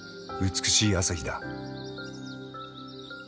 美しい朝日だ。